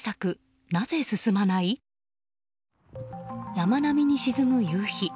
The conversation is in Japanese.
山並に沈む夕日。